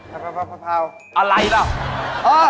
ฮ่าภาพอะไรเหรอ